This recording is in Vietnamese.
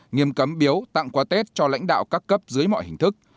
nghiêm cấm biếu tặng quà tết cho lãnh đạo các cấp dưới mọi hình thức